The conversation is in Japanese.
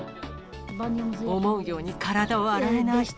思うように体を洗えない。